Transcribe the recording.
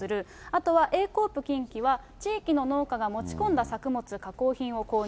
あとはエーコープ近畿は地域の農家が持ち込んだ作物、加工品を購